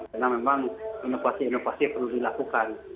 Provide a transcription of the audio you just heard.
karena memang inovasi inovasi perlu dilakukan